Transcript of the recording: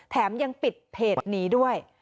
แถมยังปิดเพจนี้ด้วย